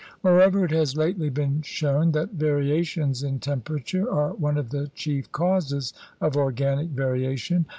Moreover it has lately been shown that variations in temperature are one of the chief causes of organic variation.